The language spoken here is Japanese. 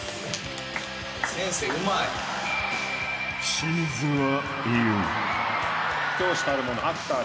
［清水は言う］